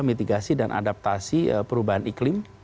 mitigasi dan adaptasi perubahan iklim